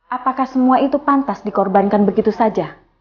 apakah semua itu pantas dikorbankan begitu saja